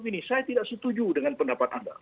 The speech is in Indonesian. jadi saya tidak setuju dengan pendapat anda